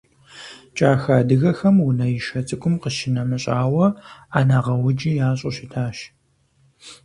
КӀахэ адыгэхэм унэишэ цӀыкӀум къищынэмыщӀауэ, Ӏэнэгъэуджи ящӀу щытащ.